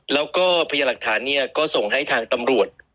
แล้วก็พยาหลักฐานเนี่ยก็ส่งให้ทางตำรวจ